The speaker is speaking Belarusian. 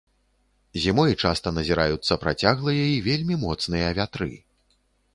Зімой часта назіраюцца працяглыя і вельмі моцныя вятры.